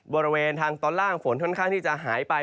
บริเวณทางตอนล่างฝนค่อนข้างที่จะหายไป